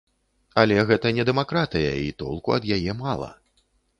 Але гэта не дэмакратыя і толку ад яе мала.